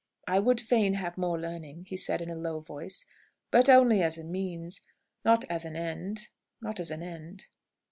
"I would fain have more learning," he said in a low voice, "but only as a means, not as an end not as an end."